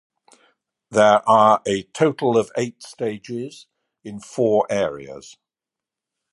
There are a total of eight stages in four areas.